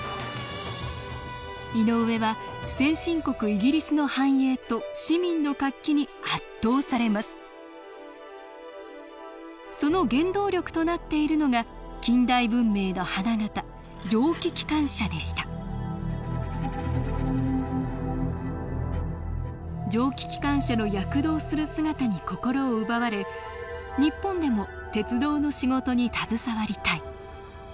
イギリスの繁栄と市民の活気に圧倒されますその原動力となっているのが近代文明の花形蒸気機関車でした蒸気機関車の躍動する姿に心を奪われ日本でも鉄道の仕事に携わりたい。